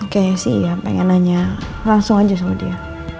kayak sih ya pengen nanya langsung aja sama dia